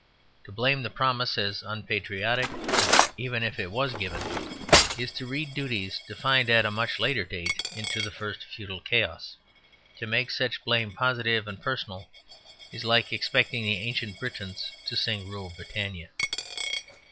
To blame the promise as unpatriotic, even if it was given, is to read duties defined at a much later date into the first feudal chaos; to make such blame positive and personal is like expecting the Ancient Britons to sing "Rule Britannia."